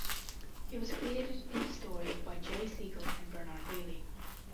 It was created in this story by Jerry Siegel and Bernard Baily.